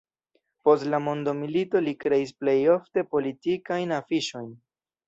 Post la mondomilito li kreis plej ofte politikajn afiŝojn.